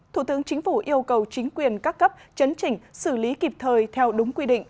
thủ tướng chính phủ yêu cầu chính quyền các cấp chấn chỉnh xử lý kịp thời theo đúng quy định